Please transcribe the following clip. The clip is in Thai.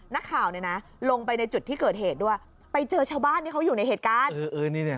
นักข่าวเนี่ยนะลงไปในจุดที่เกิดเหตุด้วยไปเจอชาวบ้านที่เขาอยู่ในเหตุการณ์